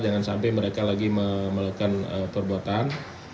jangan sampai mereka lagi melakukan perbuatan